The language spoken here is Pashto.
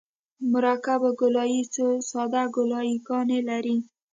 مرکب ګولایي څو ساده ګولایي ګانې لري